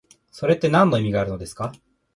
それってなんの意味があるのですか？